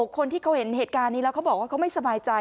คนที่เขาเห็นเหตุการณ์นี้แล้วเขาบอกว่าเขาไม่สบายใจ